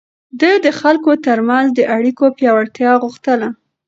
ده د خلکو ترمنځ د اړيکو پياوړتيا غوښتله.